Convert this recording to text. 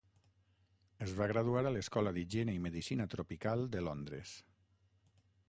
Es va graduar a l'Escola d'Higiene i Medicina Tropical de Londres.